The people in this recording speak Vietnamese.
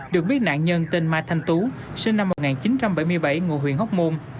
được biết nạn nhân tên mai thanh tú sinh năm một nghìn chín trăm bảy mươi bảy ngụ huyện hóc môn